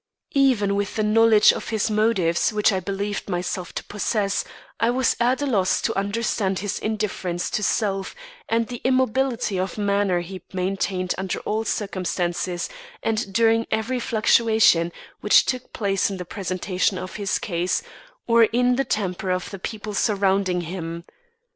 Even with the knowledge of his motives which I believed myself to possess, I was at a loss to understand his indifference to self and the immobility of manner he maintained under all circumstances and during every fluctuation which took place in the presentation of his case, or in the temper of the people surrounding him.